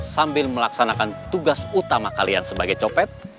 sambil melaksanakan tugas utama kalian sebagai copet